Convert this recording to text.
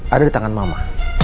ada di tangan mama